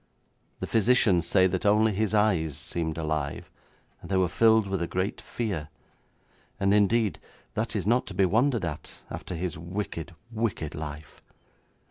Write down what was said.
The physicians say that only his eyes seemed alive, and they were filled with a great fear, and indeed that is not to be wondered at, after his wicked, wicked life.